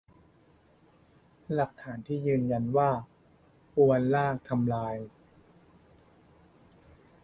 หลักฐานที่ยืนยันว่าอวนลากทำร้ายทำลายทะเลไทยยังไง